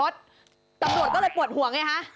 ตำรวจก็เลยปวดห่วงไงฮะ